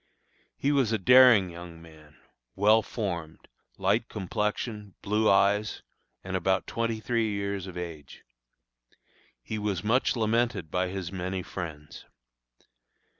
He was a daring young man, well formed, light complexion, blue eyes, and about twenty three years of age. He was much lamented by his many friends.